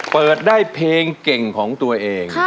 เปิดได้เพลงเก่งของตัวเอง